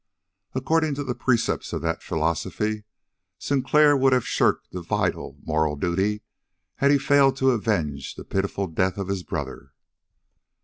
According to the precepts of that philosophy, Sinclair would have shirked a vital moral duty had he failed to avenge the pitiful death of his brother.